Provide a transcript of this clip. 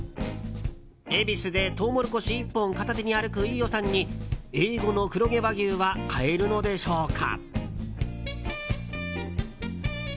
恵比寿でトウモロコシ１本片手に歩く飯尾さんにＡ５の黒毛和牛は買えるのでしょうか。